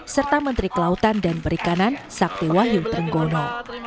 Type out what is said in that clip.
serta menteri kelautan dan perikanan sakti wahyu trenggono